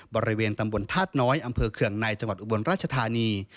บริเวณตำบลธาตุน้อยอำเภอเคืองในจังหวัดอุบลราชธานี